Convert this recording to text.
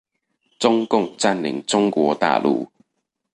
中共占領中國大陸